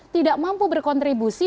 tidak mampu berkontribusi